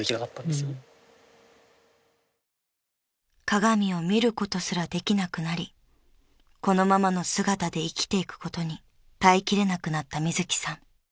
［鏡を見ることすらできなくなりこのままの姿で生きていくことに耐えきれなくなったみずきさん］